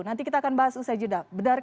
nanti kita akan bahas usai jeda